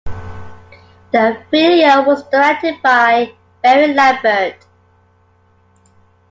The video was directed by Mary Lambert.